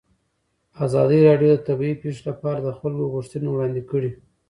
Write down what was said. ازادي راډیو د طبیعي پېښې لپاره د خلکو غوښتنې وړاندې کړي.